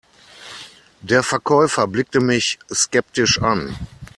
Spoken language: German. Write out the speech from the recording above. Der Verkäufer blickte mich skeptisch an.